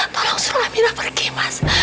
tolong suruh amira pergi mas